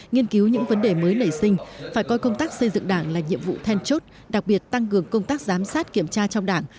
nghiên cứu những vấn đề mới nảy sinh phải coi công tác xây dựng đảng là nhiệm vụ then chốt đặc biệt tăng cường công tác giám sát kiểm tra trong đảng